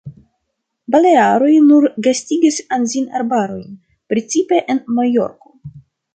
Balearoj nur gastigas anzin-arbarojn, precipe en Majorko.